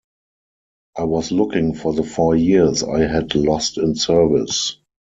I was looking for the four years I had lost in service.